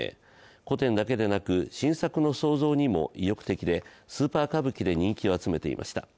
古典だけでなく、新作の創造にも意欲的でスーパー歌舞伎で人気を集めていました。